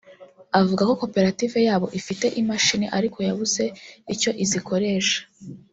avuga ko koperative yabo ifite imashini ariko yabuze icyo izikoresha